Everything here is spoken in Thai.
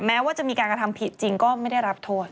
แม้ว่าจะมีการกระทำผิดจริงก็ไม่ได้รับโทษ